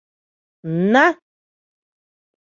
Н-на!..